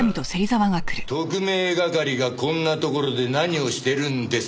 特命係がこんなところで何をしてるんですか？